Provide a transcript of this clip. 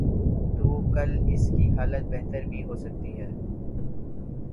تو کل اس کی حالت بہتر بھی ہو سکتی ہے۔